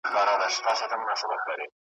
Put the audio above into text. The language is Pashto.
چي جوار غنم را نه وړئ له پټیو ,